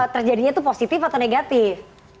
terjadinya itu positif atau negatif